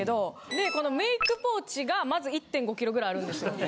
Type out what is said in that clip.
でこのメイクポーチがまず１．５ｋｇぐらいあるんですよ。